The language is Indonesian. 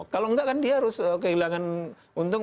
kalau enggak kan dia harus kehilangan untung